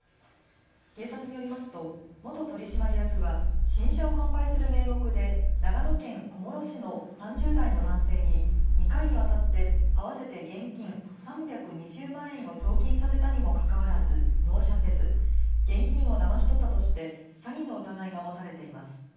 警察によりますと元取締役は新車を販売する名目で長野県小諸市の３０代の男性に２回にわたって合わせて現金３２０万円を送金させたにもかかわらず納車せず、現金をだまし取ったとして詐欺の疑いが持たれています。